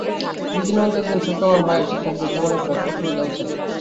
দুদিনের মধ্যে একদিন শুক্রবার হওয়ায় শিক্ষার্থীদের তেমন একটা অসুবিধা হচ্ছে না।